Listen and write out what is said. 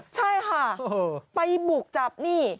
ใช่ค่ะไปบุกจับนี่